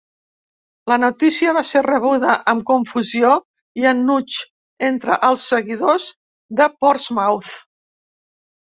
La notícia va ser rebuda amb confusió i enuig entre els seguidors de Portsmouth.